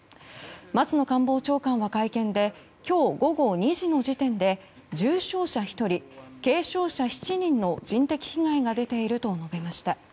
松野官房長官は会見で今日午後２時の時点で重傷者１人、軽傷者７人の人的被害が出ていると述べました。